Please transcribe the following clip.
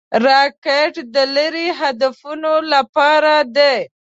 راکټ د لیرې هدفونو لپاره دی